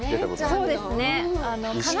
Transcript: そうですね。